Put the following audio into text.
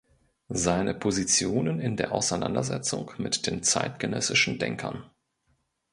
Seine Positionen in der Auseinandersetzung mit den zeitgenössischen Denkern".